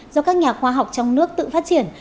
do các nhà khoa học trong nước tự phát triển